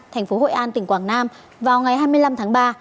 thành phố hội an tỉnh quảng nam vào ngày hai mươi năm tháng ba